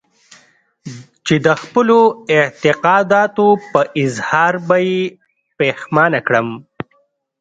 چې د خپلو اعتقاداتو پر اظهار به يې پښېمانه کړم.